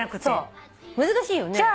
そう難しいよね。